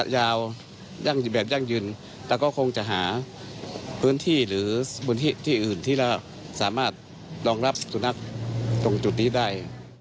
ยาวแบบยั่งยืนแล้วก็คงจะหาพื้นที่หรือพื้นที่ที่อื่นที่เราสามารถรองรับสุนัขตรงจุดนี้ได้